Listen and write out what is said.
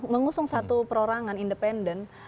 mengusung satu perorangan independent